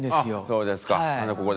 「そうです」。